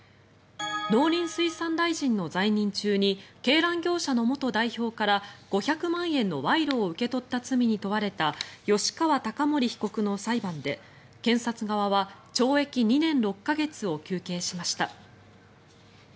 農林水産大臣の在任中に鶏卵業者の元代表から５００万円の賄賂を受け取った罪に問われた吉川貴盛被告の裁判で検察側は懲役２年６か月を求刑しました。